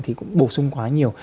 thì cũng bổ sung quá nhiều